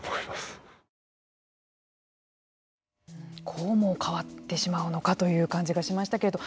こうも変わってしまうのかという感じがしましたけれど。